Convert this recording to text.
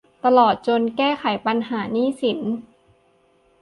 ตลอดจนแก้ไขปัญหาหนี้สิน